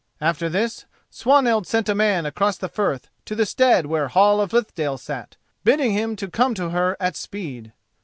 After this Swanhild sent a man across the firth to the stead where Hall of Lithdale sat, bidding him to come to her at speed.